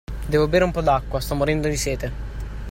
Devo bere un po' d'acqua, sto morendo di sete!